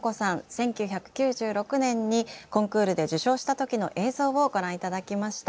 １９９６年にコンクールで受賞した時の映像をご覧頂きました。